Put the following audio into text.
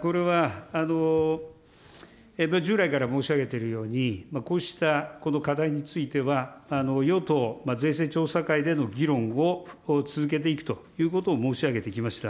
これは、従来から申し上げているように、こうしたこの課題については、与党税制調査会での議論を続けていくということを申し上げてきました。